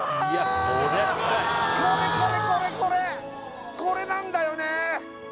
これこれこれこれこれなんだよね！